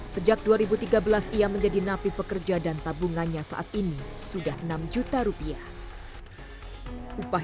sejak dua ribu tiga belas ia menjadi napi pekerja dan tabungannya saat ini sudah enam juta rupiah upah